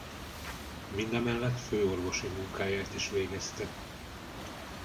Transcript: Mindemellett főorvosi munkáját is végezte.